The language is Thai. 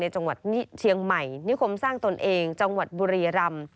จังหวัดเชียงใหม่นิคมสร้างตนเองจังหวัดบุรียรำ